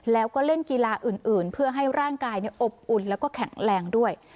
แล้วก็เล่นกีฬาอื่นเพื่อให้ร่างกายอบอุ่นแล้วก็แข็งแรงด้วย